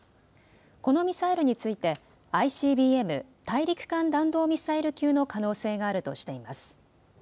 このミサイルについてＩＣＢＭ・大陸間弾道ミサイル級の可能性があるとしています。